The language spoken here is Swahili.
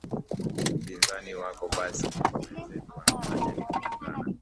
mpinzani wako basi kwa wenzetu wanachofanya ni kuungana